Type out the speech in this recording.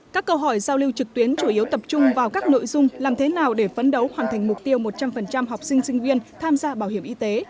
các câu hỏi giao lưu trực tuyến chủ yếu tập trung vào các nội dung làm thế nào để phấn đấu hoàn thành mục tiêu một trăm linh học sinh sinh viên tham gia bảo hiểm y tế